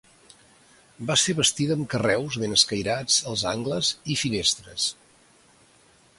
Va ser bastida amb carreus ben escairats als angles i finestres.